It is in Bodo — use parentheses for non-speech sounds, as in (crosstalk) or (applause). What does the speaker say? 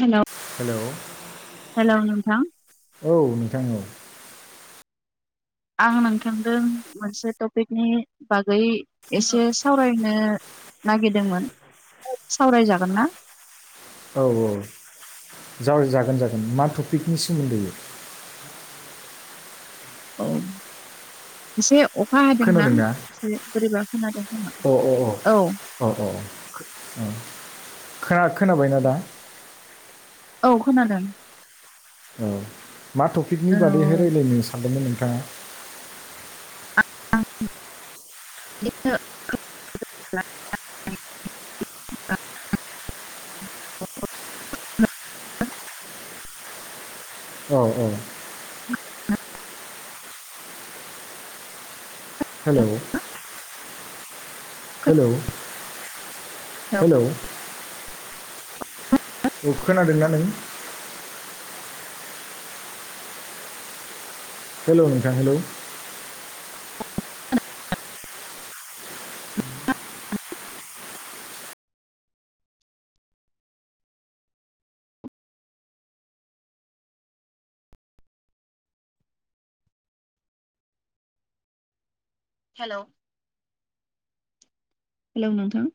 हेलौ हेलौ हेलौ नोंथां औ नोंथां औ आं नोंथांदों मोनसे टपिकनि बागै एसे सावरायनो नागिरदोंमोन सावरायजागोन ना औ औ जागोन जागोन मा टपिकनि सोमोन्दैयै औ एसे अखा हादोंनास खोनादोंना? एसे बोरैबा खोनादों खोमा अ अ औ अ अ अ खोना खोनाबायना दा औ खोनादों। औ मा टपिकनि बागैहाय औ रायलायनो सानदोंमोन नोंथाङा? बे (unintelligible) (unintelligible) औ औ हेलौ हेलौ हेलौ खोनादोंना नों? हेलौ नोंथां हेलौ हेलौ हेलौ नोंथां